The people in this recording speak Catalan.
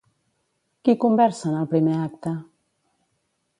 Qui conversa en el primer acte?